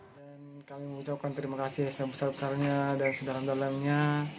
hai dan kami mengucapkan terima kasih sebesar besarnya dan sederhana dalamnya